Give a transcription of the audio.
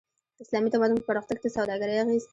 د اسلامي تمدن په پرمختګ کی د سوداګری اغیز